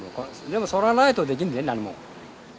でも、それがないと、できんぜ、何も。